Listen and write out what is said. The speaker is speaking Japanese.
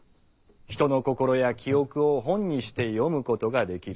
人の心や記憶を「本」にして読むことができる。